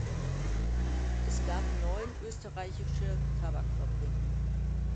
Es gab neun österreichische Tabakfabriken.